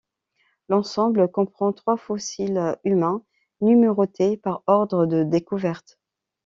L'ensemble comprend trois fossiles humains numérotés par ordre de découverte.